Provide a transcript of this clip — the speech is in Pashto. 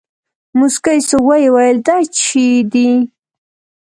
موسکى سو ويې ويل دا چي شې دي.